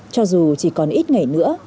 cho dù chỉ còn ít ngày nữa